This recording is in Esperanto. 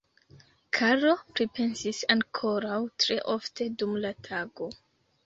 Karlo pripensis ankoraŭ tre ofte dum la tago.